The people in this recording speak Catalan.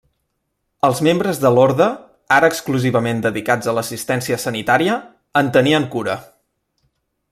Els membres de l'orde, ara exclusivament dedicats a l'assistència sanitària, en tenien cura.